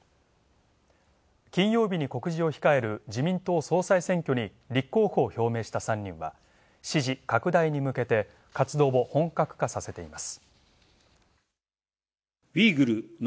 金曜日に告示を控える自民党総裁選挙に立候補を表明した３人は支持拡大に向けて活動を本格化させています。